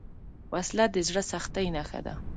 وسله د زړه سختۍ نښه ده